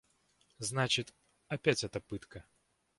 Значит, опять эта пытка!